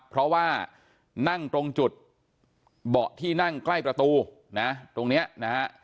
เพราะว่านั่งตรงจุดเบาะที่นั่งใกล้ประตูนะตรงนี้นะฮะ